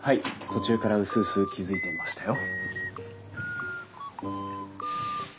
途中からうすうす気付いていましたよ。